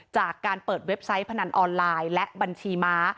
จากการเปิดเว็บไซต์พนันออนไลน์และบัญชีม้า